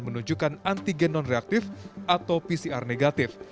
menunjukkan antigen non reaktif atau pcr negatif